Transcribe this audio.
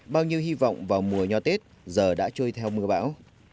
bao nhiêu hy vọng vào mùa nho tết giờ đã trôi theo mưa bão